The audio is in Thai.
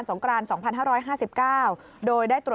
สวัสดีค่ะ